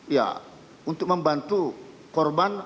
ya untuk membantu korban